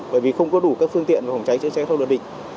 bởi vì không có đủ các phương tiện về phòng cháy chữa cháy không được định